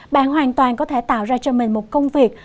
bạn hoàn toàn có thể tạo ra cho mình một công việc